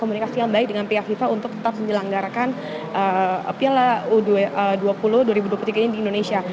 komunikasi yang baik dengan pihak fifa untuk tetap menyelenggarakan piala u dua puluh dua ribu dua puluh tiga ini di indonesia